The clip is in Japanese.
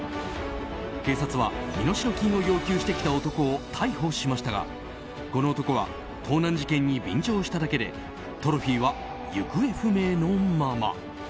警察は身代金を要求してきた男を逮捕しましたがこの男は盗難事件に便乗しただけでトロフィーは行方不明のまま。